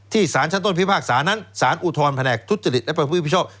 สารชั้นต้นพิพากษานั้นสารอุทธรณแผนกทุจริตและประพฤติมิชอบ